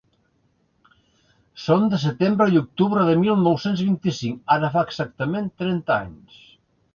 Són de setembre i octubre de mil nou-cents vint-i-cinc, ara fa exactament trenta anys.